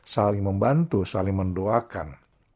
saling membantu saling mendoakan